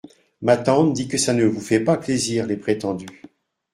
Ma tante dit que ça ne vous fait pas plaisir, les prétendus.